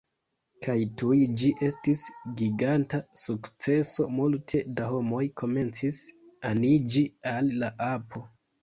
Kaj tuj ĝi estis giganta sukceso! Multe da homoj komencis aniĝi al la apo